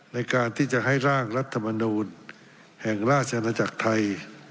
ในการที่จะให้ร่างรัฐมนูลแห่งราชนาจักรไทย